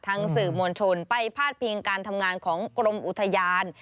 สื่อมวลชนไปพาดพิงการทำงานของกรมอุทยาน